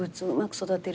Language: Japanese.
育ててる？